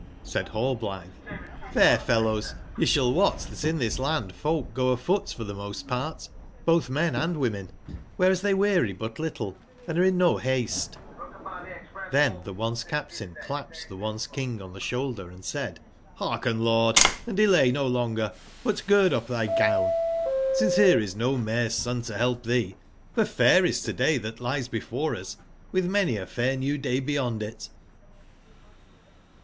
Said Hallblitbe: '*f air fellows, ye sball wot tbat in tbis land folk go afoot for tbe most part, botb men and women ;wbcreas tbey weary but little, and are in no baste "j^IIben tbeonce/captain clapped tbe once/ king on tbe sboulder, and said: '* Hearken, lord, and delay no longer, but gird up tby gown, since bere is no mare's son to belp tbce: for fair is to /day tbat 127 lies before us, with many a fair new day beyond it."